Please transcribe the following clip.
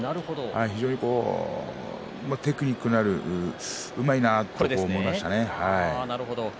非常にテクニックのあるうまいなという感じがしました。